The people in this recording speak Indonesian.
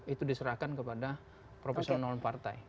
itu diserahkan kepada profesional non partai